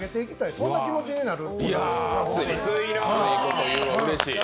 そんな気持ちになる。